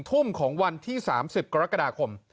ทุ่มของวันที่๓๐กรกฎาคม